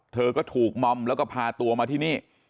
เธอก็ถูกมอมแล้วก็พาตัวมาที่นี่